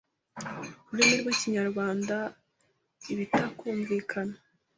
rurimi rw ikinyarwanda Ibitakumvikana